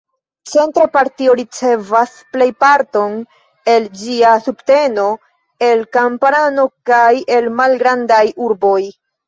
Centra partio ricevas plejparton el ĝia subteno el kamparano kaj el malgrandaj urboj.